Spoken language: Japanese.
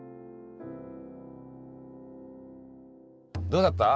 どうだった？